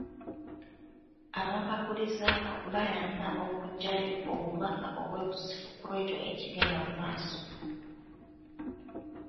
Ababagulizaako bayamba okuggyayo obubaka obwekusifu kw'ekyo ekigenda mu maaso.